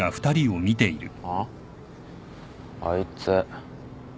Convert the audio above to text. ああいつ。